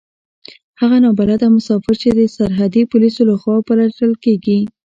هغه نا بلده مسافر چې د سرحدي پوليسو له خوا پلټل کېږي.